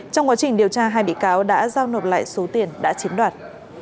trong quá trình điều tra hai bị cáo đã giao nộp lại số tiền đã chiếm đoạt